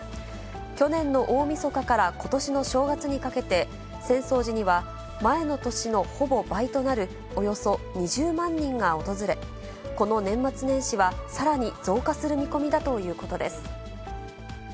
去年の大みそかからことしの正月にかけて、浅草寺には、前の年のほぼ倍となる、およそ２０万人が訪れ、この年末年始は、さらに増加する見込みだということです。